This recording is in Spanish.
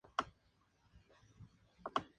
Kenta Matsuda